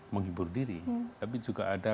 menghibur diri tapi juga ada